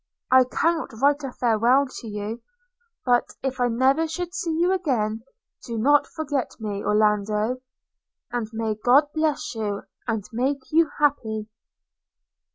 I cannot write a farewell to you! – But if I never should see you again, do not forget me, Orlando! – And may God bless you, and make you happy!'